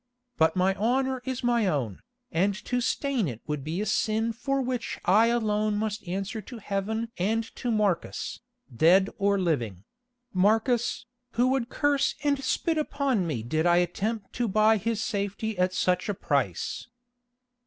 But my honour is my own, and to stain it would be a sin for which I alone must answer to Heaven and to Marcus, dead or living—Marcus, who would curse and spit upon me did I attempt to buy his safety at such a price."